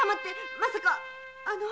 まさかあの？